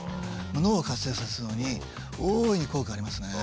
脳を活性させるのに大いに効果がありますね。